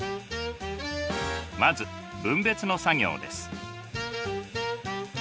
まず分別の作業です。